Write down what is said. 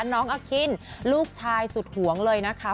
น้องอคินลูกชายสุดหวงเลยนะคะ